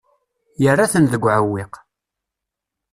Yerra-ten deg uɛewwiq.